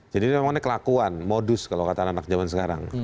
jadi ini memang kelakuan modus kalau kata anak anak zaman sekarang